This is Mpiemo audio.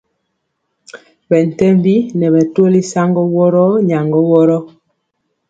Bɛ ntembi nɛ bɛtɔli saŋgɔ woro, nyagɔ woro.